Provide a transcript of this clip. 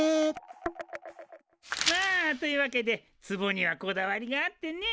まあというわけでつぼにはこだわりがあってね。